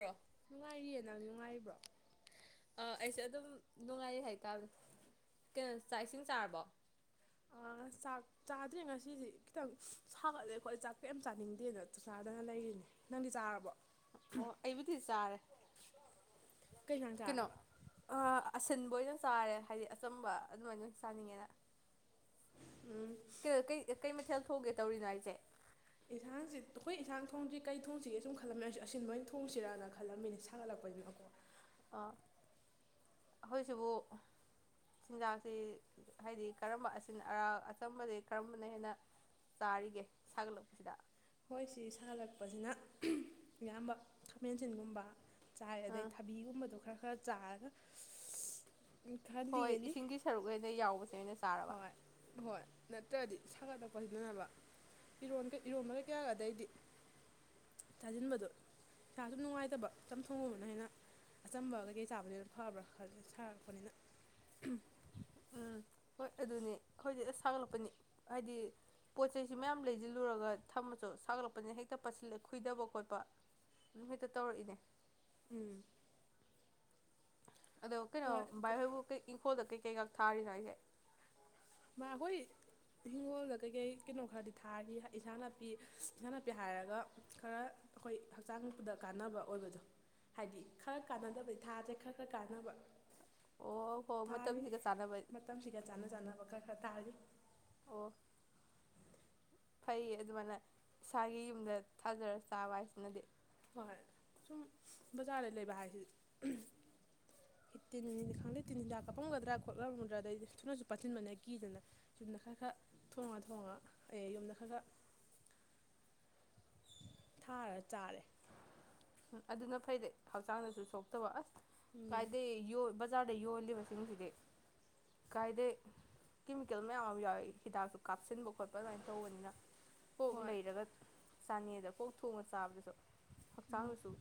ꯍꯣ ꯅꯨꯡꯉꯥꯏꯔꯤꯌꯦ ꯅꯪ ꯅꯨꯡꯉꯥꯏꯔꯤꯕ꯭ꯔꯣ ꯑꯩꯁꯨꯦ ꯑꯗꯨꯝ ꯅꯨꯡꯉꯥꯏ ꯍꯥꯏꯇꯥꯔꯅꯦ ꯀꯩꯅꯣ ꯆꯥꯛ ꯏꯁꯤꯡ ꯆꯥꯔꯕꯣ ꯆꯥꯛ ꯆꯥꯗ꯭ꯔꯦ ꯉꯁꯤꯗꯤ ꯈꯤꯇꯪ ꯁꯥꯒꯠꯂꯦ ꯑꯩꯈꯣꯏ ꯆꯥꯛ ꯀꯩ ꯆꯥꯅꯤꯡꯗꯦꯅ ꯆꯥꯗꯅ ꯂꯩꯔꯤꯅꯦ ꯅꯪꯗꯤ ꯆꯥꯔꯕꯣ ꯑꯣ ꯑꯩꯕꯨꯗꯤ ꯆꯥꯔꯦ ꯀꯩ ꯏꯟꯁꯥꯡ ꯀꯩꯅꯣ ꯆꯥꯔꯕ ꯑ ꯑꯁꯤꯟꯕ ꯑꯣꯏꯅ ꯆꯥꯔꯦ ꯍꯥꯏꯗꯤ ꯑꯆꯝꯕ ꯑꯗꯨꯃꯥꯏꯅ ꯑꯣꯏꯅ ꯆꯥꯅꯤꯡꯉꯦꯅ ꯎꯝ ꯀ ꯀꯩ ꯀꯩ ꯃꯊꯦꯜ ꯊꯣꯛꯒꯦ ꯇꯧꯔꯤꯅꯣ ꯑꯩꯁꯦ ꯌꯦꯟꯁꯥꯡꯁꯤ ꯑꯩꯈꯣꯏ ꯏꯟꯁꯥꯡ ꯊꯣꯡꯁꯤ ꯀꯩ ꯊꯣꯡꯁꯤꯒꯦ ꯁꯨꯝ ꯈꯜꯂꯝꯃꯦ ꯑꯩꯁꯨ ꯑꯁꯤꯟ ꯂꯣꯏꯅ ꯊꯣꯡꯁꯤꯔꯒ ꯈꯜꯂꯝꯃꯤꯅꯤ ꯁꯥꯒꯠꯂꯛꯄꯩꯅꯤꯅꯀꯣ ꯑꯣ ꯑꯩꯈꯣꯏꯁꯤꯕꯨ ꯆꯤꯟꯖꯥꯛꯁꯤ ꯍꯥꯏꯗꯤ ꯀꯔꯝꯕ ꯑꯁꯤ ꯑꯔ ꯑꯆꯝꯕꯁ ꯀꯔꯝꯕꯅ ꯍꯦꯟꯅ ꯆꯥꯔꯤꯒꯦ ꯁꯥꯒꯠꯂꯛꯄꯁꯤꯗ ꯍꯣꯏ ꯁꯤ ꯁꯥꯍꯜꯂꯛꯄꯁꯤꯅ ꯏꯌꯥꯝꯕ ꯈꯥꯃꯦꯟꯁꯤꯟꯒꯨꯝꯕ ꯆꯥꯏ ꯑꯗꯩ ꯑꯥ ꯊꯕꯤꯒꯨꯝꯕꯗꯣ ꯈꯔ ꯍ ꯆꯔ ꯍꯣꯏ ꯏꯁꯤꯡꯒꯤ ꯁꯔꯨꯛ ꯑꯣꯏꯅ ꯌꯥꯎꯕꯁꯦ ꯑꯣꯏꯅ ꯆꯥꯔꯕ ꯍꯣꯏ ꯍꯣꯏ ꯅꯠꯇ꯭ꯔꯗꯤ ꯁꯥꯒꯠꯂꯛꯄꯁꯤꯗꯅꯕ ꯏꯔꯣꯟ ꯏꯔꯣꯟꯕꯒꯩ ꯀꯌꯥꯒꯗꯩꯗꯤ ꯆꯥꯁꯤꯟꯕꯗꯣ ꯏꯁꯥ ꯁꯨꯝ ꯅꯨꯡꯉꯥꯏꯇꯕ ꯆꯆꯝ ꯊꯣꯡꯉꯕꯅ ꯍꯦꯟꯅ ꯑꯆꯝꯕ ꯀꯩꯀꯩ ꯆꯥꯕꯅ ꯍꯦꯅ ꯐꯕ꯭ꯔꯥ ꯈꯜꯂꯦ ꯁꯥꯔꯛꯄꯅꯤꯅ ꯎꯝ ꯍꯣꯏ ꯑꯗꯨꯅꯤ ꯍꯧꯖꯤꯛ ꯑ ꯁꯥꯒꯠꯂꯛꯄꯅꯤ ꯍꯥꯏꯗꯤ ꯄꯣꯠ ꯆꯩꯩꯁꯨ ꯃꯌꯥꯝ ꯂꯩꯁꯤꯜꯂꯨꯔꯒ ꯊꯝꯃꯁꯨ ꯁꯥꯒꯠꯂꯛꯄꯅꯤ ꯍꯦꯛꯇꯁꯤꯜ ꯈꯨꯏꯗꯕ ꯈꯣꯠꯄ ꯑꯗꯨꯝ ꯍꯦꯛꯇ ꯇꯧꯔꯛꯏꯅꯦ ꯎꯝ ꯑꯗꯀꯅ ꯍꯣꯏ ꯚ ꯏꯪꯐꯣꯦ ꯀꯦꯛꯒꯛ ꯊꯥꯔꯤꯅꯣ ꯑꯩꯁꯦ ꯃꯥ ꯑꯩꯈꯣꯏ ꯏꯪꯒꯣꯜꯗ ꯀꯩꯀꯩ ꯀꯩꯅꯣ ꯈꯔꯗꯤ ꯊꯥꯔꯤ ꯏꯟꯁꯥꯡ ꯅꯥꯄꯤ ꯏꯟꯁꯥꯡ ꯅꯥꯄꯤ ꯍꯥꯏꯔꯒ ꯈꯔ ꯑꯩꯈꯣꯏ ꯍꯛꯆꯥꯡꯗ ꯀꯥꯟꯅꯕ ꯑꯣꯏꯕꯗꯣ ꯍꯥꯏꯗꯤ ꯈꯔ ꯀꯥꯟꯅꯗꯕꯗꯤ ꯊꯥꯁꯦ ꯈꯔ ꯈꯔ ꯀꯥꯟꯅꯕ ꯑꯣ ꯍꯣ ꯊꯥꯔꯤ ꯃꯇꯝꯁꯤꯒ ꯆꯥꯟꯅꯕ ꯃꯇꯝꯁꯤꯒ ꯆꯥꯅ ꯆꯥꯅꯕ ꯈ ꯇꯥꯔ ꯑꯣ ꯐꯩꯌꯦ ꯑꯗꯨꯃꯥꯏꯅ ꯏꯁꯥꯒꯤ ꯌꯨꯝꯗ ꯊꯥꯖꯔ ꯆꯥꯕ ꯍꯥꯏꯁꯤꯅꯗꯤ ꯍꯣꯏ ꯁꯨꯝ ꯕꯖꯥꯔꯗ ꯂꯩꯕ ꯍꯥꯏꯁꯤ ꯇꯤꯟꯅꯤꯅꯤ ꯈꯪꯗꯦ ꯇꯤꯟ ꯍꯤꯗꯥꯛ ꯀꯞꯄꯝꯒꯗ꯭ꯔꯥ ꯈꯣꯠꯂꯝꯒꯗ꯭ꯔꯥ ꯑꯗꯩꯗꯤ ꯊꯨꯅꯁꯨ ꯄꯥꯁꯤꯤꯟꯕꯅ ꯀꯤꯗꯅ ꯌꯨꯝꯗ ꯈꯔ ꯈꯔ ꯊꯣꯡꯉ ꯊꯣꯡꯉꯒ ꯑꯩ ꯌꯨꯝꯗ ꯈꯔ ꯈꯔ ꯊꯥꯔ ꯆꯥꯔꯦ ꯑꯗꯨꯅ ꯐꯩꯗꯤꯩ ꯍꯛꯆꯥꯡꯗꯁꯨ ꯁꯣꯛꯇꯕ ꯑꯁ ꯎꯝ ꯀꯥꯏꯗꯦ ꯌꯣ ꯕꯖꯥꯔꯗ ꯌꯣꯜꯂꯤꯕꯁꯤꯡꯁꯤꯗꯤ ꯀꯥꯏꯗꯩ ꯀꯦꯃꯤꯀꯦꯜ ꯃꯌꯥꯝ ꯑꯃ ꯌꯥꯎꯤ ꯍꯤꯗꯥꯛꯁꯨ ꯀꯥꯞꯁꯤꯟꯕ ꯈꯣꯠꯄ ꯑꯗꯨꯃꯥꯏꯅ ꯇꯧꯕꯅꯤꯅ ꯍ ꯍꯣꯏ ꯂꯩꯔꯒ ꯆꯥꯅꯦꯗ ꯄꯣꯛ ꯊꯣꯡꯉ ꯆꯥꯕꯗꯁꯨ ꯍꯛꯆꯥꯡꯗꯁꯨ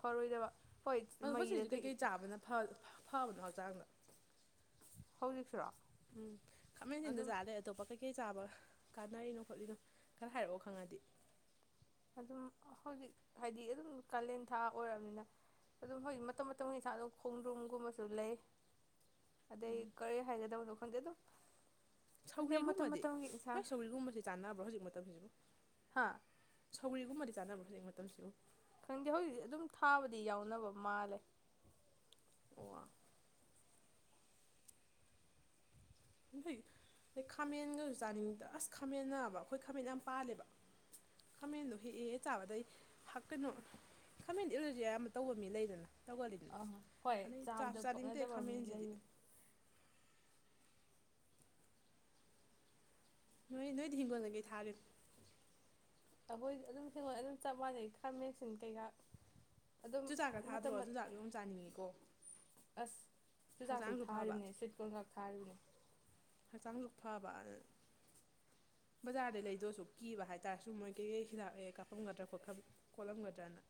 ꯐꯔꯣꯏꯗꯕ ꯍꯣꯏ ꯑꯗ ꯃꯩꯗ ꯍꯧꯖꯤꯛꯁꯤ ꯀꯩ ꯀꯩꯀꯩ ꯆꯥꯕꯅ ꯐꯕꯗꯣ ꯍ ꯍꯛꯆꯥꯡꯅ ꯍꯧꯖꯤꯛꯁꯨꯔꯣ ꯎꯝ ꯈꯃꯦꯁꯤꯗ ꯑꯗꯨꯝ ꯆꯥꯗꯦ ꯑꯇꯣꯞꯄ ꯀꯩ ꯀꯩ ꯀꯩ ꯆꯥꯕ ꯀꯥꯟꯅꯔꯤꯅꯣ ꯈꯣꯠꯂꯤꯅꯣ ꯈꯔ ꯍꯥꯏꯔꯛꯑꯣ ꯈꯪꯉꯗꯤ ꯑꯗꯨꯝ ꯍꯧꯖꯤꯛ ꯍꯥꯏꯗꯤ ꯑꯗꯨꯝ ꯀꯥꯂꯦꯟ ꯊꯥ ꯑꯣꯏꯔꯕꯔꯕꯅꯤꯅ ꯑꯗꯨꯝ ꯍꯧꯖꯤꯛ ꯃꯇꯝ ꯃꯇꯝꯒꯤ ꯊꯥ ꯑꯗꯨꯝ ꯈꯣꯡꯗ꯭ꯔꯨꯝꯒꯨꯝꯕꯁꯨ ꯂꯩ ꯑꯗꯩ ꯎꯝ ꯀꯔꯤ ꯍꯥꯏꯒꯗꯕꯅꯣ ꯍꯗ ꯑꯗꯨꯣ ꯁꯧꯔꯤꯒꯨꯝꯕꯗꯤ ꯍꯣꯏ ꯁꯧꯔꯤꯒꯨꯝꯕꯕꯁꯤ ꯆꯥꯟꯅꯕ꯭ꯔꯣ ꯍꯧꯖꯤꯛ ꯃꯇꯝꯁꯤꯕꯨ ꯍꯥ ꯁꯒꯔꯤꯕꯨ ꯃꯗꯤ ꯆꯥꯅꯕ ꯍꯧ ꯃꯇꯝꯁꯨ ꯈꯪꯗꯦ ꯍꯧꯖꯤꯛꯤ ꯑꯗꯨꯝ ꯊꯥꯕꯗꯤ ꯌꯥꯎꯅꯕ ꯃꯥꯜꯂꯦ ꯑꯣ ꯑꯗꯩ ꯈꯥꯃꯦꯟꯒꯁꯨ ꯆꯥꯅꯤꯡꯉꯗ ꯑꯁ ꯈꯥꯃꯦꯟꯕ ꯑꯩꯈꯣꯏ ꯈꯥꯃꯦꯟ ꯌꯥꯝ ꯄꯥꯜꯂꯦꯕ ꯈꯥꯃꯦꯟꯗꯣ ꯍꯦꯛꯑꯦꯦ ꯆꯥꯕꯗꯩ ꯀꯩꯅꯣ ꯈꯥꯃꯦꯟꯗ ꯏꯂꯨꯁꯦ ꯑꯌꯥꯝꯕ ꯇꯧꯕ ꯃꯤ ꯂꯩꯗꯅ ꯇꯧꯒꯜꯂꯤꯗꯅ ꯑ ꯍꯣꯏ ꯑꯗꯩ ꯆꯥꯁꯨ ꯆꯥꯕꯗ ꯆꯥꯅꯤꯡꯗꯦ ꯄꯛꯅꯗꯕ ꯃꯤ ꯈꯥꯃꯦꯟꯁꯤꯗꯤ ꯂꯩꯔ ꯅꯣꯏ ꯅꯣꯏ ꯊꯒꯣꯅꯒꯩ ꯊꯥꯔꯦ ꯑꯩꯈꯣꯏꯗꯤ ꯑꯗꯨꯝ ꯍꯦꯡꯒꯣꯏ ꯑꯗꯨꯝ ꯆꯞ ꯃꯥꯟꯅꯩ ꯈꯥꯃꯦꯟꯁꯤꯟ ꯀꯩꯀꯥ ꯑꯗꯨꯝ ꯆꯨꯖꯥꯛꯀ ꯊꯥꯗ꯭ꯔꯣ ꯃꯇꯝ ꯆꯨꯖꯥꯛ ꯌꯣꯝ ꯆꯥꯅꯤꯡꯉꯤꯀꯣ ꯑꯁ ꯆꯨꯖꯥꯛꯁꯨ ꯍꯛꯆꯥꯡꯁꯨ ꯐꯕ ꯊꯥꯔꯤꯕꯅꯤ ꯁ꯭ꯨꯋꯤꯠ ꯀꯣꯜ ꯈꯛ ꯊꯥꯔꯤꯕꯅꯤ ꯍꯛꯆꯥꯡꯁꯨ ꯐꯕ ꯕꯖꯥꯔꯗꯩ ꯂꯩꯗꯁꯨ ꯀꯤꯕ ꯍꯥꯏꯇꯥꯔꯁꯨ ꯃꯣꯏ ꯀꯩꯀꯩ ꯍꯤꯗꯥꯛꯑ ꯀꯥꯞꯄꯝꯒꯗ꯭ꯔꯥ ꯈꯣꯠ ꯈꯣꯠꯂꯝꯒꯗ꯭ꯔꯅ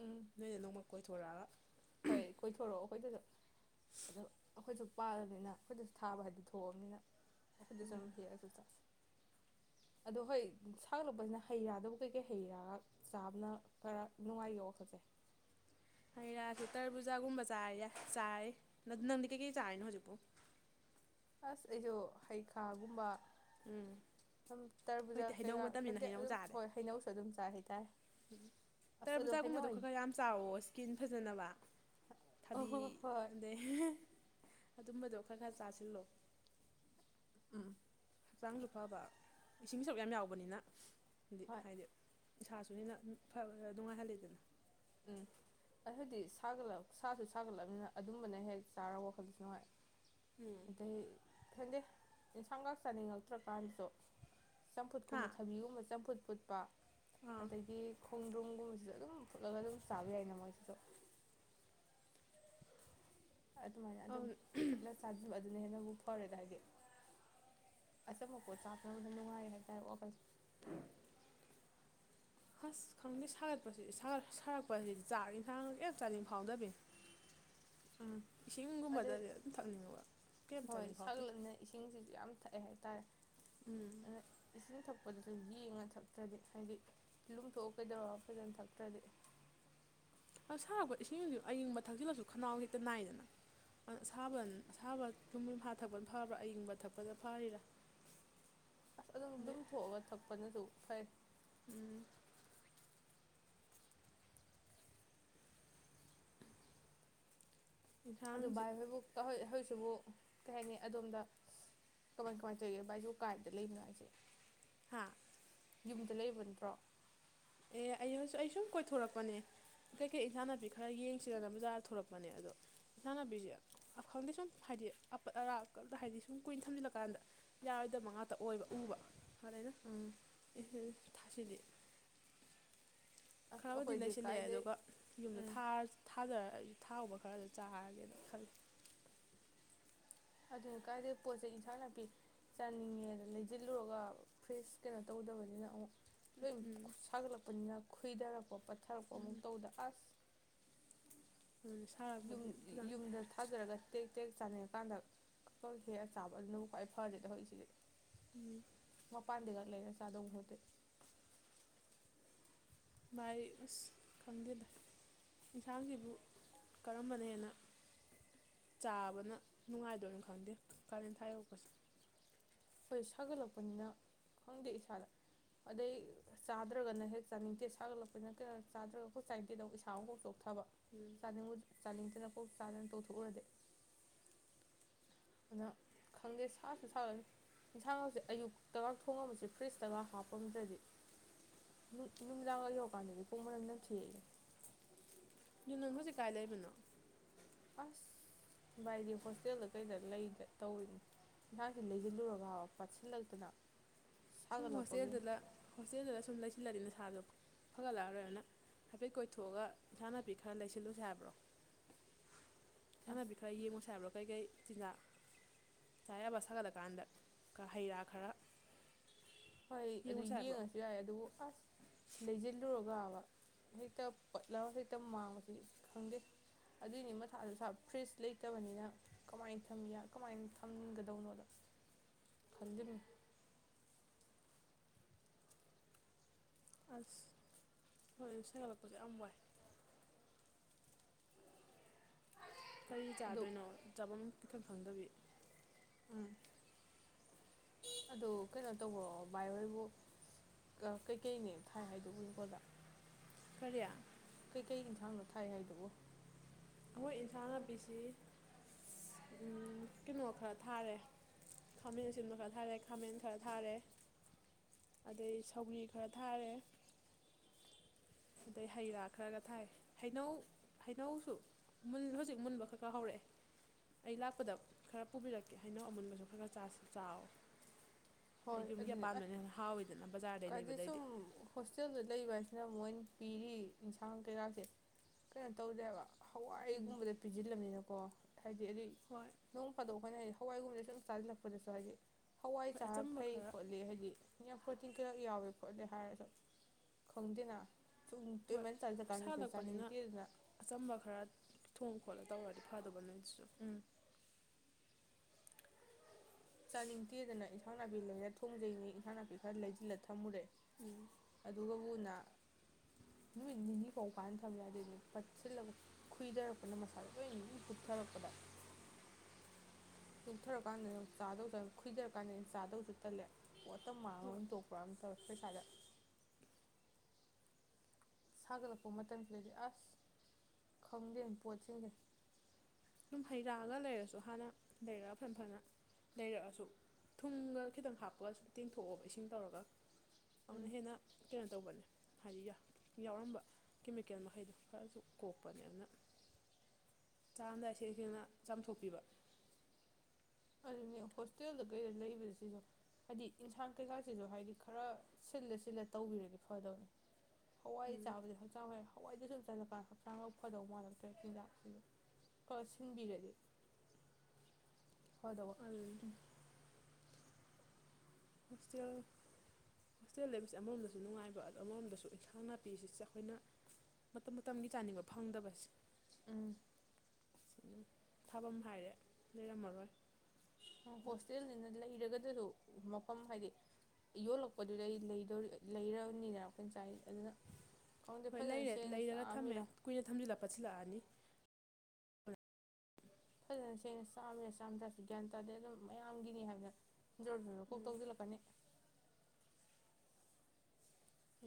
ꯎꯝ ꯅꯣꯏꯅ ꯅꯣꯡꯃ ꯀꯣꯏ ꯊꯣꯣꯔꯥ ꯍꯣꯏ ꯀꯣꯏꯊꯣꯔꯛꯑꯣ ꯑꯩꯈꯣꯏꯗꯁꯨ ꯑꯗꯨ ꯑꯩꯈꯣꯏꯁꯨ ꯄꯥꯜꯂꯅꯤꯅ ꯑꯩꯈꯣꯏꯗꯁꯨ ꯊꯥꯕ ꯍꯥꯏꯗ ꯊꯣꯛꯑꯕꯅꯤꯅ ꯎꯝ ꯑꯩꯈꯣꯏꯁ ꯍꯁꯨ ꯑꯗꯣ ꯍꯣꯏ ꯁꯥꯡꯂꯛꯄꯁꯤꯅ ꯍꯩꯔꯥꯗꯕꯨ ꯀꯩꯀꯩ ꯍꯩꯔꯥꯒ ꯆꯥꯕꯅ ꯈꯔ ꯅꯨꯡꯉꯥꯏꯒꯦ ꯋꯥꯈꯠꯁꯦ ꯍꯩ ꯔꯥꯁꯤꯦ ꯇꯔ ꯄꯨꯕꯨꯖꯥꯒꯨꯝꯕ ꯆꯥ ꯆꯥꯏꯔ ꯅꯪꯗꯤ ꯀꯩꯀꯩ ꯆꯥꯔꯤꯅꯣ ꯍꯧꯖꯤꯛꯄꯥꯎ ꯑꯁ ꯑꯩꯁꯨ ꯍꯩꯈꯥꯒꯨꯝꯕ ꯎꯝ ꯑꯗꯨꯝ ꯇꯔꯕꯨꯖꯥ ꯍꯣꯏꯗꯤ ꯍꯩꯅꯧ ꯀꯩꯀꯥ ꯃꯇꯝꯅꯤꯅ ꯈꯪꯗꯦ ꯍꯩꯅꯧ ꯑꯗꯨꯝ ꯆꯥꯔꯦ ꯍꯣꯏ ꯍꯩꯅꯧꯁꯨ ꯑꯗꯨꯝ ꯆꯥꯏ ꯍꯥꯏꯇꯥꯔꯦ ꯎꯝ ꯑꯁ ꯇꯔꯥ ꯑꯗꯣ ꯍꯩꯅꯧ ꯄꯨꯖꯥꯒꯨꯝꯕꯗꯣ ꯑꯩ ꯈꯔ ꯈꯔ ꯌꯥꯝ ꯆꯥꯎꯋꯣ ꯏꯁꯀꯤꯟ ꯐꯖ ꯅꯕ ꯑ ꯊꯕꯤ ꯍꯣꯏ ꯍꯣꯏ ꯑꯗ ꯑꯗꯨꯝꯕꯗꯣ ꯈꯔ ꯈꯔ ꯆꯥꯁꯤꯜꯂꯣ ꯎꯝ ꯍꯛꯆꯥꯡꯁꯨ ꯐꯕ ꯏꯁꯤꯡ ꯁꯔꯨꯛ ꯌꯥꯝ ꯌꯥꯎꯕꯅꯤꯅ ꯗꯤ ꯍꯣꯏ ꯍꯥꯏꯗꯤ ꯏꯁꯥꯁꯨ ꯍꯦꯟꯅ ꯅꯨꯡꯉꯥꯏꯍꯜꯜꯂꯤꯗꯅ ꯎꯝ ꯑꯗꯨꯗꯤ ꯁꯥꯒꯠꯂ ꯁꯥꯁꯨ ꯁꯥꯒꯠꯂꯕꯅꯤꯅ ꯑꯗꯨꯝꯕꯅ ꯍꯦꯛ ꯆꯥꯔ ꯋꯥꯈꯜꯗꯁꯨ ꯅꯨꯡꯉꯥꯏ ꯎꯝ ꯑꯗꯒꯤ ꯈꯦꯟꯗꯦ ꯌꯦꯟꯁꯥꯡꯒꯥꯛ ꯆꯥꯅꯤꯡꯉꯛꯇ꯭ꯔꯀꯥꯟꯗꯁꯨ ꯍꯥ ꯆꯝꯐꯨꯠꯀꯨꯝꯕ ꯊꯥꯕꯤꯒꯨꯝꯕ ꯆꯝꯐꯨꯠ ꯈꯨꯨꯠꯄ ꯑꯥ ꯑꯗꯒꯤ ꯈꯣꯡꯗ꯭ꯔꯨꯝ ꯀꯣꯁꯤꯗꯒꯣ ꯑꯗꯨꯝ ꯆꯕꯤ ꯌꯥꯏꯅ ꯃꯣꯏꯁꯤꯁꯨ ꯑꯗꯨꯃꯥꯏꯅ ꯑꯗꯨꯝ ꯑꯗꯨ ꯄꯨꯠꯂ ꯆꯥꯗꯕ ꯑꯗꯨꯅ ꯍꯦꯟꯅꯕꯨ ꯐꯔꯦꯗ ꯍꯥꯏꯗꯤ ꯑꯆꯝꯕꯄꯣ ꯆꯥꯛꯅꯕꯗ ꯅꯨꯡꯉꯥꯏ ꯍꯥꯏꯇꯥꯔꯦ ꯑꯣꯁꯦ ꯎꯝ ꯍꯁ ꯈꯪꯗꯦ ꯁꯥꯒꯠꯄꯁꯤ ꯁꯥꯒꯛꯄꯁꯤꯗꯤ ꯆꯥꯛ ꯏꯟꯁꯥꯡ ꯍꯦꯛ ꯆꯥꯅꯤꯡ ꯐꯥꯎꯗꯕꯤ ꯎꯝ ꯑꯗꯩ ꯏꯁꯤꯡꯒꯨꯝꯕꯗꯗꯤ ꯑꯗꯨꯝ ꯊꯛꯅꯤꯡꯉꯕ ꯀꯩ ꯍꯣꯏ ꯆꯥꯅꯤꯡ ꯐꯥꯎꯇꯦ ꯁꯥꯒꯠꯂꯛꯅ ꯏꯁꯤꯡꯁꯤꯁꯨ ꯌꯥꯝ ꯊꯛꯑꯦ ꯍꯥꯏꯇꯥꯔꯦ ꯑ ꯏꯁꯤꯡ ꯊ ꯗꯁꯨ ꯌꯦꯡꯉ ꯊꯛꯇ꯭ꯔꯗꯤ ꯍꯥꯏꯗꯤ ꯂꯨꯝꯊꯣꯛꯑ ꯀꯩꯗꯧꯔ ꯐꯖꯅ ꯊꯛꯇ꯭ꯔꯗꯤ ꯑ ꯁꯥꯔꯛꯄ ꯏꯁꯤꯡꯁꯨ ꯑꯌꯤꯡꯕ ꯊꯛꯆꯜꯂꯁꯨ ꯈꯅꯥꯎ ꯍꯦꯛꯇ ꯅꯥꯏꯗꯅ ꯑꯗꯨ ꯑꯁꯥꯕ ꯑꯁꯥꯕ ꯌꯨꯝ ꯌꯨꯝꯐꯥ ꯊꯛꯄꯅ ꯐꯕ꯭ꯔꯥ ꯑꯌꯤꯡꯕ ꯊꯛꯄꯅ ꯐꯔꯤꯔꯥ ꯑꯁ ꯑꯗꯨꯝ ꯑꯗꯨꯝ ꯊꯣꯛꯑꯒ ꯊꯛꯄꯅꯁꯨ ꯐꯣꯏ ꯎꯝ ꯑꯗꯨ ꯏꯟꯁꯥꯡꯁꯤ ꯚꯏ ꯍꯣꯏꯕꯨ ꯍ ꯁꯤꯕꯨ ꯀꯩ ꯍꯥꯏꯅꯤ ꯑꯗꯣꯝꯗ ꯀꯃꯥꯏ ꯀꯃꯥꯏꯅ ꯇꯧꯒꯦ ꯕꯥꯥꯏꯁꯨ ꯀꯥꯏꯗ ꯂꯩꯕꯅꯣ ꯍꯥꯏꯁꯦ ꯍꯥ ꯌꯨꯝꯗ ꯂꯩꯕ ꯅꯠꯇ꯭ꯔꯣ ꯑꯦ ꯑꯩ ꯍꯧꯖꯤꯛ ꯑꯩ ꯁꯨꯝ ꯀꯣꯏꯊꯣꯔꯛꯄꯅꯦ ꯀꯩꯀꯩ ꯏꯟꯆꯥ ꯅꯥꯄꯤ ꯈꯔ ꯌꯦꯡꯁꯤꯗꯅ ꯕꯖꯥꯔꯗ ꯊꯣꯔꯛꯄꯅꯦ ꯑꯗꯣ ꯏꯟꯆꯥ ꯅꯥꯄꯤꯁꯦ ꯈꯪꯗꯦ ꯁꯨꯝ ꯍꯥꯏꯗꯤ ꯑ ꯑꯔꯥꯗ ꯍꯥꯏꯕꯗꯤ ꯁꯨꯝ ꯀꯨꯏꯅ ꯊꯝꯖꯤꯜꯂꯀꯥꯟꯗ ꯌꯥꯔꯣꯏꯗꯕ ꯃ ꯉꯥꯛꯇ ꯑꯣꯏꯕ ꯎꯕ ꯐꯔꯅ ꯎꯝ ꯊꯥꯁꯤꯗꯤ ꯑꯁ ꯈꯔꯕꯨꯗꯤ ꯑꯩꯈꯣꯏꯗꯤ ꯂꯩꯁꯤꯜꯂꯛꯑꯦ ꯀꯥꯏꯗꯩ ꯑꯗꯨꯒ ꯌꯨꯝꯗ ꯎꯝ ꯊꯥꯖꯔ ꯑ ꯊꯥꯎꯕ ꯈꯔꯗ ꯆꯥꯔꯒꯦꯅ ꯈꯜꯂꯤ ꯑꯗꯨꯅ ꯀꯥꯏꯗꯦ ꯄꯣꯠ ꯆꯩ ꯏꯟꯁꯥꯡ ꯅꯥꯄꯤ ꯆꯥꯅꯤꯡꯉꯦꯅ ꯂꯩꯁꯤꯜꯂꯨꯔꯒ ꯐ꯭ꯔꯦꯁ ꯀꯩꯅꯣ ꯇꯧꯗꯕꯅꯤꯅ ꯑꯃꯨꯛ ꯂꯣꯏ ꯎꯝ ꯁꯥꯒꯂ ꯄꯟꯖꯥꯕ ꯈꯣꯏꯏꯗꯥꯔꯛꯄꯣ ꯄꯠ ꯊꯥꯔꯛꯄ ꯑꯃꯨꯛ ꯎꯝ ꯇꯧꯗ ꯑꯁ ꯑꯗꯨꯅ ꯌꯨꯝ ꯁꯥꯔꯛꯄꯁꯤ ꯈꯤꯇꯪ ꯌꯨꯝꯗ ꯊꯥꯖꯔꯒ ꯇꯦꯛ ꯇꯦꯛ ꯆꯥꯅꯤꯡꯉꯀꯥꯟꯗ ꯈ ꯍꯦꯛꯑ ꯆꯥꯕ ꯑꯗꯨꯅꯕꯨ ꯈ꯭ꯋꯥꯏ ꯐꯔꯦꯗ ꯍꯧꯖꯤꯛꯁꯤꯗꯤ ꯎꯝ ꯄꯥꯟꯗꯒ ꯂꯩꯅ ꯁꯥ ꯑꯗꯨ ꯚꯥꯏ ꯑꯁ ꯈꯪꯗꯦ ꯚꯥꯏ ꯌꯦꯟꯁꯥꯡꯁꯤꯕꯨ ꯀꯔꯝꯕꯅ ꯍꯦꯟꯅ ꯆꯥꯕꯅ ꯅꯨꯡꯉꯥꯏꯗꯣꯏꯅꯣ ꯈꯪꯗꯦ ꯀꯥꯔꯦꯟ ꯊꯥ ꯌꯣꯛꯄꯁꯦ ꯍꯣꯏ ꯁꯥꯒꯠꯂꯛꯄꯅꯤꯅ ꯈꯪꯗꯦ ꯏꯁꯥꯗ ꯑꯗꯩ ꯆꯥꯗ꯭ꯔꯒꯅ ꯍꯦꯛ ꯆꯥꯅꯤꯡꯗꯦ ꯁꯥꯒꯠꯂꯛꯄꯅꯤꯅ ꯀꯩꯅꯣ ꯆꯥꯗ꯭ꯔꯒ ꯍꯣꯏ ꯆꯥꯅꯤꯡꯗꯦꯗ ꯏꯁꯥ ꯑꯃ ꯍꯧꯣꯛ ꯊꯕ ꯎꯝ ꯆꯥꯅꯤꯡꯉꯗꯤ ꯆꯥꯅꯤꯡꯗꯅ ꯀꯣꯛ ꯆꯥꯗꯅ ꯇꯧꯊꯣꯛꯎꯔꯗꯤ ꯑꯗꯨꯅ ꯈꯪꯗꯦ ꯁꯥꯁꯨ ꯁꯥꯒꯅꯤ ꯏꯟꯁꯥꯡꯒꯁꯦ ꯑꯌꯨꯛꯇꯒ ꯊꯣꯡꯉꯝꯝꯕꯁꯦ ꯐ꯭ꯔꯤꯖꯇꯒ ꯍꯥꯞꯄꯝꯗ꯭ꯔꯗꯤ ꯅꯨꯃꯤꯗꯥꯡꯒ ꯌꯧꯔꯀꯥꯟꯗꯗꯤ ꯈꯣꯡ ꯃꯅꯝ ꯅꯝ ꯊꯤꯛꯏꯅꯦ ꯗꯨꯅꯪ ꯍꯧꯖꯤꯛ ꯀꯥꯏ ꯂꯩꯕꯅꯣ ꯑꯁ ꯚꯥꯏꯗꯤ ꯍꯣꯁꯇꯦꯜꯗ ꯀꯩꯗ ꯂꯩ ꯇꯧꯔꯤꯅꯤ ꯌꯦꯟꯁꯥꯡꯁꯤ ꯂꯩꯁꯤꯜꯂꯨꯔꯒꯕ ꯄꯥꯠꯁꯤꯜꯂꯛꯇꯅ ꯁꯨꯝ ꯁꯥꯒꯠꯂꯛꯄꯒꯤ ꯍꯣꯁꯇꯦꯜꯗꯨꯗ ꯍꯣꯁꯇꯦꯜꯗ ꯁꯨꯝ ꯂꯩ ꯁꯤꯜꯂꯅꯤ ꯅꯁꯥꯗꯣ ꯐꯒꯠꯂꯛꯑꯔꯣꯏꯅ ꯍꯥꯏꯐꯦꯠ ꯀꯣꯏꯊꯣꯛꯑꯒ ꯏꯟꯁꯡ ꯅꯥꯄꯤ ꯈꯔ ꯂꯩꯁꯤꯜꯂꯨꯁꯦ ꯍꯥꯏꯕ꯭ꯔꯣ ꯑꯁ ꯏꯟꯁꯡꯅꯄꯤ ꯈꯔ ꯌꯦꯡꯉꯣꯁꯤ ꯍꯥꯏꯕ꯭ꯔꯣ ꯀꯩꯀꯩ [unintelligible] ꯁꯥꯒꯠꯂꯀꯥꯟꯗ ꯍꯩ ꯔꯥ ꯈꯔ ꯍꯣꯏ ꯑꯗꯨ ꯌꯦꯡꯉꯨꯁꯦ ꯍꯥꯏꯕ꯭ꯔꯣ ꯌꯦꯡꯉꯁꯨ ꯌꯥꯏ ꯑꯗꯨꯕꯨ ꯑꯁ ꯂꯩꯖꯤꯜꯂꯨꯔꯒ ꯍꯦꯛꯇ ꯄꯠꯂ ꯍꯦꯛꯇ ꯃꯥꯡꯕꯁꯤ ꯈꯪꯗꯦ ꯑꯗꯨꯏꯅꯤ ꯃꯊꯥꯖꯨ ꯁꯥ ꯐ꯭ꯔꯤꯖ ꯂꯩꯇꯕꯅꯤꯅ ꯀꯃꯥꯏ ꯊꯝꯃꯤ ꯀꯃꯥꯏꯅ ꯊꯝꯒꯗꯧꯅꯣꯗ ꯈꯪꯗꯕꯅꯤ ꯑꯁ ꯍꯣꯏ ꯑꯗꯨ ꯁꯥꯒꯠꯂꯛꯄꯗ ꯌꯥꯝ ꯋꯥꯏ ꯀꯔꯤ ꯑꯗꯨ ꯆꯥꯗꯣꯏꯅꯣ ꯆꯥꯕꯝ [unintelligible] ꯈꯪꯗꯕꯤ ꯎꯝ ꯑꯗꯨ ꯀꯩꯅꯣ ꯇꯧꯕ꯭ꯔꯣ ꯕꯥꯏ ꯍꯣꯏꯕꯨ ꯀꯩꯀꯩꯅꯦ ꯊꯥꯏ ꯍꯥꯏꯗꯨꯕꯨ ꯏꯪꯈꯣꯜꯗ ꯀꯔꯤ ꯀꯩꯀꯩ ꯏꯟꯁꯥꯡꯅꯣ ꯊꯥꯏ ꯍꯥꯏꯗꯨꯕꯨ ꯑꯩꯈꯣꯏ ꯏꯟꯁꯥꯡ ꯅꯥꯄꯤꯁꯤ ꯎꯝ ꯀꯩꯅꯣ ꯈꯔ ꯊꯥꯔꯦ ꯈꯥꯃꯦꯟ ꯑꯁꯤꯟꯕ ꯈꯔ ꯊꯥꯔꯦ ꯈꯥꯃꯦꯟ ꯈꯔ ꯊꯥꯔꯦ ꯑꯗꯩ ꯁꯧꯒꯔꯤ ꯈꯔ ꯊꯥꯔꯦ ꯑꯗꯩ ꯍꯩ ꯔꯥ ꯈꯔꯒ ꯊꯥꯏ ꯍꯩꯅꯧ ꯍꯩꯅꯧꯁꯨ ꯍꯧꯖꯤꯛ ꯃꯨꯟꯕ ꯈꯔ ꯈꯔ ꯍꯧꯔꯛꯑꯦ ꯑꯩ ꯂꯥꯛꯄꯗ ꯈꯔ ꯄꯨꯕꯤꯔꯛꯀꯦ ꯍꯩꯅꯧ ꯑꯃꯨꯟꯕꯁꯨ ꯈꯔ ꯈꯔ ꯆꯥꯁꯤ ꯆꯥꯎꯔꯦ ꯍꯣꯏ ꯑꯗꯨꯅꯤ ꯑꯁ ꯕꯖꯥꯔꯗꯩ ꯂꯩꯕꯗꯩꯗꯤ ꯀꯥꯏꯗꯩꯩꯁꯨꯝ ꯍꯣꯁꯇꯦꯜꯗ ꯂꯩꯕ ꯍꯥꯏ ꯃꯣꯏꯅ ꯄꯤꯔꯤ ꯏꯟꯁꯥꯡ ꯀꯩꯔꯥꯁꯦ ꯀꯩꯅꯣ ꯇꯧꯗꯦꯕ ꯎꯝ ꯍꯋꯥꯏꯒꯨꯝꯕꯗ ꯄꯤꯖꯤꯜꯂꯝꯃꯤꯅ [unintelligible] ꯍꯥꯏꯗꯤ ꯑꯩꯗꯤ ꯍꯣꯏ ꯅꯣꯡ ꯐꯥꯗꯣꯛ ꯑꯩꯈꯣꯏꯅ ꯍꯋꯥꯏꯒꯨꯝꯕꯗ ꯁꯨꯝ ꯆꯥꯖꯤꯜꯂꯛꯄꯗꯁꯨ ꯍꯥꯏꯗꯤ ꯍꯋꯥꯏ ꯍꯣꯏ ꯆꯥ__ [unintelligible] ꯑꯆꯝꯕ ꯈꯔ ꯍꯥꯏꯗꯤ ꯌꯥꯝ ꯄ꯭ꯔꯣꯇꯤꯟ ꯀꯩꯔꯛ ꯌꯥꯎꯋꯦ ꯈꯣꯠꯂꯦ ꯍꯥꯏꯔꯁꯨ ꯈꯪꯗꯦꯅ ꯍꯣꯏ ꯁꯥꯠꯂꯛꯄꯅꯤꯅ [unintelligible] ꯑꯆꯝꯕ ꯈꯔ ꯊꯣꯡ ꯈꯣꯠꯂ ꯇꯧꯔꯗꯤ ꯐꯥꯗꯧꯕ ꯅꯣꯏ ꯁꯨ ꯎꯝ ꯆꯥꯅꯤꯡꯇꯦꯗꯅ ꯏꯟꯁꯥꯡ ꯅꯥꯄꯤ ꯂꯩꯔ ꯊꯣꯡꯖꯩꯅꯤ ꯏꯟꯁꯥꯡ ꯅꯥꯄꯤ ꯈꯔ ꯂꯩꯖꯤꯜꯂ ꯊꯝꯃꯨꯔꯦ ꯎꯝ ꯑꯗꯨꯒ ꯊꯨꯅ ꯅꯨꯃꯤꯠ ꯅꯤꯅꯤ ꯐꯥꯎ ꯐꯥꯅꯥ ꯊꯝ ꯌꯥꯗꯦꯅꯦ ꯄꯠꯁꯤꯜꯂ ꯈꯨꯏꯊꯔꯛꯄꯅ ꯃꯁꯥꯗ ꯂꯣꯏ ꯇꯨꯞꯊꯔꯛꯄꯗ ꯇꯨꯛꯊꯔ ꯀꯥꯟꯗꯅ [unintelligible] ꯈꯣꯏꯏꯊꯔ ꯀꯥꯟꯗ ꯆꯥꯗꯧꯁꯨ ꯇꯜꯂꯦ ꯄꯣꯠꯇ ꯃꯥꯡꯉꯒ ꯍꯣꯏ ꯑꯣꯏꯅ ꯇꯣꯛꯄ꯭ꯔꯥ ꯑꯃꯝ ꯇꯧꯋꯦ ꯄꯩꯁꯥꯗ ꯁꯥꯒꯠꯂꯛꯄ ꯃꯇꯝꯁꯤꯗꯗꯤ ꯑꯁ ꯈꯪꯗꯦ ꯄꯣꯠꯁꯤꯡꯁꯦ ꯑꯗꯨꯝ ꯍꯩꯔꯥꯒ ꯂꯩꯔꯁꯨ ꯍꯥꯟꯅ ꯂꯩꯔ ꯐꯟꯅ ꯐꯟꯅ ꯂꯩꯔꯛꯑꯁꯨ ꯊꯨꯝꯒ ꯈꯤꯇꯪ ꯍꯥꯞꯄꯒ ꯇꯦꯡꯊꯣꯛꯑꯣꯕ ꯏꯁꯤꯡ ꯇꯧꯔꯒ ꯑꯗꯨꯅ ꯎꯝ ꯍꯦꯟꯅ ꯀꯩꯅꯣ ꯇꯧꯕꯅꯦ ꯍꯥꯏꯗꯤ ꯌꯥꯎꯔꯝꯕ ꯀꯦꯃꯤꯀꯦꯜ ꯃꯈꯩꯗꯣ ꯈꯔꯁꯨ ꯀꯣꯛꯄꯅꯦ ꯑꯗꯨꯅ ꯆꯥꯝꯗꯥꯏ ꯁꯦꯡ ꯁꯦꯡꯅ ꯆꯥꯝꯊꯣꯛꯄꯤꯕ ꯑꯗꯨꯅꯦ ꯍꯣꯁꯇꯦꯜꯗ ꯀꯩꯗ ꯂꯩꯕ ꯁꯤꯁꯨ ꯍꯥꯏꯗꯤ ꯏꯟꯁꯥꯡ ꯀꯩꯀꯥꯁꯤꯁꯨ ꯍꯥꯏꯗꯤ ꯈꯔ ꯁꯤꯜꯂ ꯁꯤꯜꯂ ꯇꯧꯕꯤꯔꯗꯤ ꯐꯗꯧꯅꯤ ꯍꯋꯥꯏ ꯆꯥꯕꯗꯤ ꯍꯛꯆꯥꯡ ꯐ ꯍꯋꯥꯏꯗꯨ ꯆꯄꯥꯥꯟ ꯍꯛꯆꯥꯡ ꯂꯧ ꯐꯗꯧꯕ ꯃꯥꯜꯂꯛꯇ꯭ꯔꯦ ꯆꯤꯟꯖꯥꯛꯁꯤꯁꯨ ꯀ ꯁꯤꯟꯕꯤꯔꯗꯤ ꯍꯣꯏꯗꯧꯕ ꯑꯗꯨꯅꯤ ꯎꯝ ꯍꯣꯁꯇꯦꯜ ꯍꯣꯁꯇꯦꯜ ꯂꯩꯕꯕꯁꯤꯦ ꯑꯃꯔꯣꯝꯗꯁꯨ ꯅꯨꯡꯉꯥꯏꯕ ꯑꯣ ꯑꯃꯔꯣꯝꯗꯁꯨ ꯏꯟꯁꯥꯡ ꯅꯥꯄꯤꯁꯤ ꯑꯩꯈꯣꯏꯅ ꯃꯇꯝ ꯃꯇꯝꯒꯤ ꯆꯥꯅꯤꯡꯕ ꯐꯪꯗꯕꯁꯦ ꯎꯝ ꯑꯗꯨꯝ ꯊꯥꯐꯝ ꯍꯥꯏꯔꯦ ꯂꯩꯔꯝꯃꯔꯣꯏ ꯍꯣꯁꯇꯦꯜꯅꯤꯅ ꯂꯩꯔꯒ ꯑꯗꯨꯁꯨ ꯃꯐꯝ ꯍꯥꯏꯗꯤ ꯌꯣꯜꯂꯛꯄꯗꯨꯗꯩ ꯂꯩꯔꯕꯅꯤꯅ ꯑꯩꯈꯅ ꯆꯥꯏ ꯑꯗꯨꯅ ꯈꯪꯗꯦ ꯍꯣꯏ ꯐꯖꯅ ꯂꯩꯔꯦ ꯁꯦꯡꯅ ꯂꯩꯔꯒ ꯊꯝꯃꯦ ꯆꯥꯛꯑꯝꯃꯤꯔ ꯀꯨꯏꯅ ꯊꯝꯖꯤꯜꯂꯛꯄ ꯁꯤꯜꯂꯛꯑꯅꯤ ꯐꯖꯅ ꯁꯦꯡꯅ ꯆꯥꯝꯃꯤꯔ ꯆꯥꯝ ꯇꯥꯔꯁꯨ ꯒ꯭ꯌꯥꯟ ꯇꯥꯗꯦ ꯑꯗꯨꯝ ꯃꯌꯥꯝꯒꯤꯅꯤ ꯍꯥꯏꯕꯗ ꯖꯔ ꯖꯔ ꯈꯨ ꯎꯝ ꯇꯧꯖꯤꯂ ꯄꯅꯤ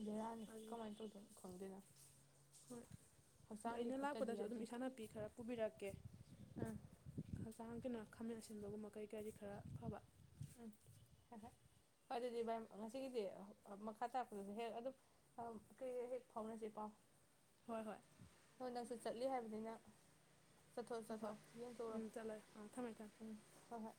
ꯕꯦꯔꯥꯅꯤ ꯑꯗꯨ ꯀꯃꯥꯏꯅ ꯇꯧꯗꯣꯏꯅꯣ ꯈꯪꯗꯣꯏꯅꯣ ꯍꯣꯏ ꯑꯗꯨ ꯑꯩꯅ ꯐꯠꯇꯗꯤ ꯂꯥꯛꯄꯗꯁꯨ ꯑꯗꯨꯝ ꯌꯥꯗꯦ ꯏꯁꯥ ꯅꯥꯄꯤ ꯈꯔ ꯄꯨꯕꯤꯔꯛꯀꯦ ꯎꯝ ꯆꯥꯡꯇꯅ ꯈꯥꯝꯅ ꯑꯁꯤꯟꯕꯒꯨꯝꯕ ꯀꯩ ꯀꯥꯗꯤ ꯈꯔ ꯐꯕ ꯎꯝ ꯍꯣꯏ ꯍꯣꯏ ꯍꯣꯏ ꯑꯗꯨꯗꯤ ꯚꯥꯏ ꯉꯁꯤꯒꯤꯗꯤ ꯃꯈꯥ ꯇꯥꯔꯛꯄꯗꯗꯤ ꯍꯦꯛ ꯑꯗꯨꯝ ꯀ ꯍꯦꯛ ꯐꯥꯎꯅꯁꯤ ꯄꯥꯎ ꯍꯣꯏ ꯍꯣꯏ ꯍꯣꯏ ꯅꯪꯁꯨ ꯆꯠꯂꯤ ꯍꯥꯏꯕꯅꯤꯅ ꯆꯠꯊꯣ ꯍꯣꯏ ꯍꯣꯏ ꯆꯠꯊꯣꯛ ꯌꯦꯡꯊꯣꯛꯔꯣ ꯎꯝ ꯆꯠꯂꯒꯦ ꯑꯥ ꯊꯝꯃꯦ ꯊꯝꯃꯦ ꯎꯝ ꯍꯣꯏ ꯍꯣꯏ